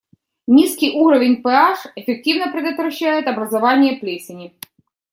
Низкий уровень pH (пэ-аш) эффективно предотвращает образование плесени.